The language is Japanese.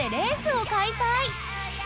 を開催